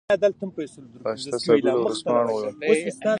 بهشته صافۍ له ورځپاڼې وه.